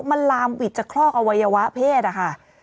มันลามหวิดจากคลอกอวัยวะเพศอะค่ะ